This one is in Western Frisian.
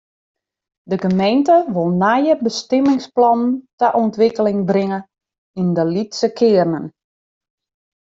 De gemeente wol nije bestimmingsplannen ta ûntwikkeling bringe yn de lytse kearnen.